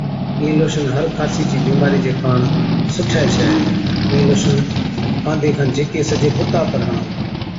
اِين لوشن هر خارسي چِي بِيمارِي چي ڪاڻ سُٺَي ڇَي، اِين لوشن ڪانڌي کن جھِڪي سجي بُتا پر هڻا۔